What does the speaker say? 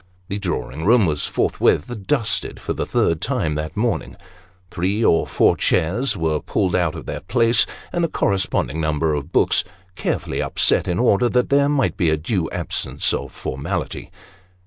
The drawing room was forthwith dusted for the third time that morning ; three or four chairs were pulled out of their places, and a correspond ing number of books carefully upset, in order that there might be a due absence of formality.